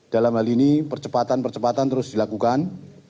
dalam hal ini percepatan percepatan terus dilakukan